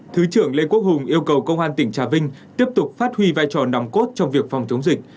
thứ trưởng lê quốc hùng yêu cầu công an tỉnh trà vinh tiếp tục phát huy vai trò nằm cốt trong việc phòng chống dịch